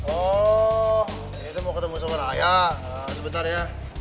ohh ini tuh mau ketemu sama raya sebentar ya